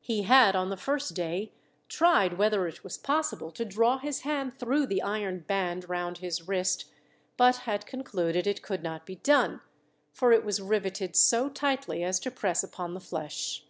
He had, on the first day, tried whether it was possible to draw his hand through the iron band round his wrist, but had concluded it could not be done, for it was riveted so tightly as to press upon the flesh.